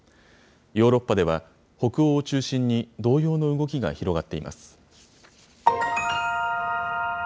ヨーロッパでは、北欧を中心に、同様の動きが広がっています。